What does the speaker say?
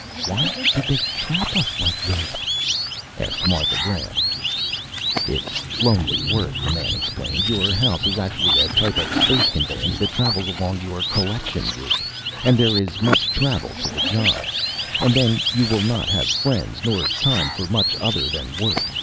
"Why did they trap us like this?" asked Martha Graham. "It's lonely work," the man explained. "Your house is actually a type of space conveyance that travels along your collection route and there is much travel to the job. And then you will not have friends, nor time for much other than work.